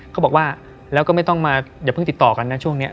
เขาบอกว่าแล้วก็ไม่ต้องมาอย่าเพิ่งติดต่อกันนะช่วงนี้